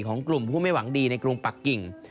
ของกลุ่มผู้ไม่หวังดีในกรุงปักกิ่ง